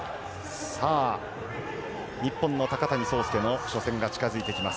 日本の高谷惣亮の初戦が近づいてきています。